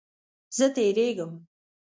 زه تیریږم